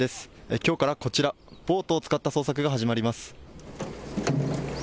きょうからこちら、ボートを使った捜索が始まります。